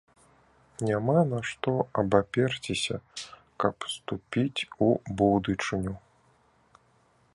Няма на што абаперціся, каб ступіць у будучыню.